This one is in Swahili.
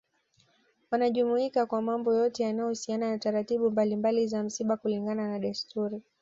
Wanajumuika kwa mambo yote yanayo husiana na taratibu mbalimbali za msiba kulingana na desturi